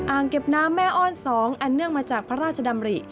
เก็บน้ำแม่อ้อน๒อันเนื่องมาจากพระราชดำริ